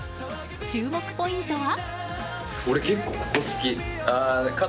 注目ポイントは？